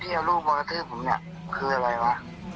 เอาลูกมากระทืบผมเนี่ยคืออะไรวะ